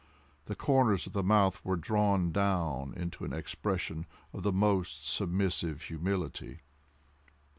The corners of the mouth were drawn down into an expression of the most submissive humility.